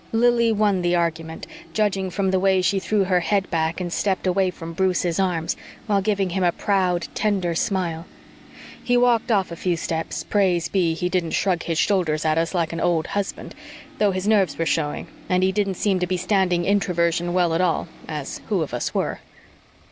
Lili won the argument, judging from the way she threw her head back and stepped away from Bruce's arms while giving him a proud, tender smile. He walked off a few steps; praise be, he didn't shrug his shoulders at us like an old husband, though his nerves were showing and he didn't seem to be standing Introversion well at all, as who of us were?